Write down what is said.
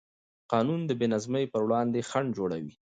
قانون د بېنظمۍ پر وړاندې خنډ جوړوي.